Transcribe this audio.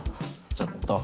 ちょっと。